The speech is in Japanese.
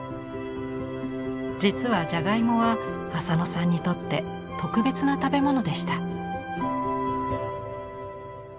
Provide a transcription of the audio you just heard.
実はじゃがいもは浅野さんにとって特別な食べ物でした。